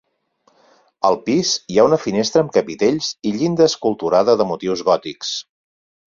Al pis hi ha una finestra amb capitells i llinda esculturada de motius gòtics.